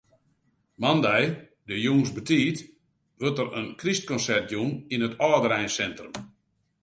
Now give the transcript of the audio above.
Moandei de jûns betiid wurdt der in krystkonsert jûn yn it âldereinsintrum.